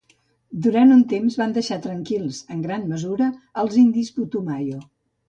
Durant un temps, van deixar tranquils, en gran mesura, els indis Putumayo.